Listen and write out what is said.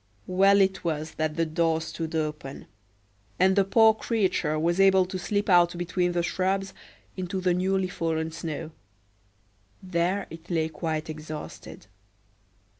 —well it was that the door stood open, and the poor creature was able to slip out between the shrubs into the newly fallen snow—there it lay quite exhausted.